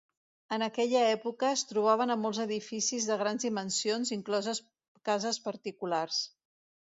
En aquella època, es trobaven a molts edificis de grans dimensions, incloses cases particulars.